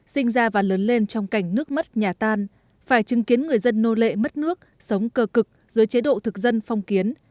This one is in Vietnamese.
sinh ra và lớn lên trong cảnh nước mất nhà tan phải chứng kiến người dân nô lệ mất nước sống cờ cực dưới chế độ thực dân phong kiến